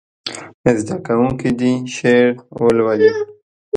زده کوونکي دې شعر ولولي.